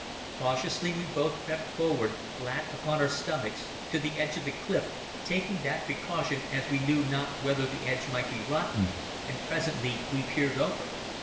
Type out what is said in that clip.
Cautiously, we both crept forward, flat upon our stomachs, to the edge of the cliff, taking that precaution as we knew not whether the edge might be rotten, and presently we peered over.